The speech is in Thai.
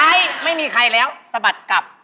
ไม่มีใครแล้วสะบัดกลับ